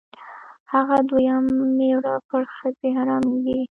هغه دویم مېړه پر ښځې حرامېږي.